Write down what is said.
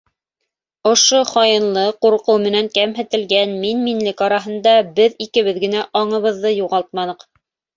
Ошо хаинлы ҡурҡыу менән кәмһетелгән мин-минлек араһында беҙ икебеҙ генә аңыбыҙҙы юғалтманыҡ.